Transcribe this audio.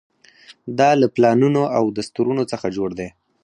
دا له پلانونو او دستورونو څخه جوړ دی.